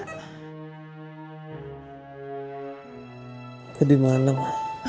kita udah di amerika sayang